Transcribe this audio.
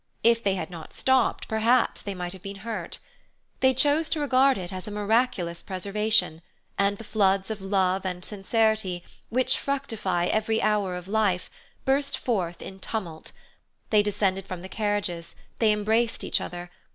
If they had not stopped perhaps they might have been hurt. They chose to regard it as a miraculous preservation, and the floods of love and sincerity, which fructify every hour of life, burst forth in tumult. They descended from the carriages; they embraced each other.